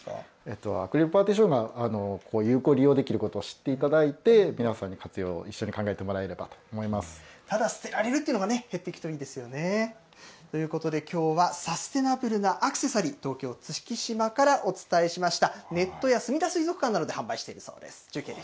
アクリルパーティションが有効利用できることを知っていただいて、皆さんに活用、一緒に考えただ、捨てられるっていうのがね、減っていくといいですよね。ということで、きょうはサスティナブルなアクセサリー、東京・月島からお伝えしました。